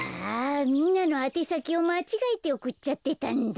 みんなのあてさきをまちがえておくっちゃってたんだ。